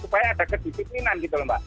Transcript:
supaya ada kedisiplinan gitu loh mbak